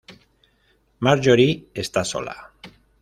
Marjorie está sola.